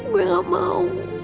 gue gak mau